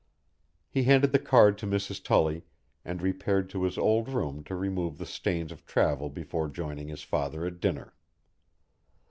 He handed the card to Mrs. Tully and repaired to his old room to remove the stains of travel before joining his father at dinner.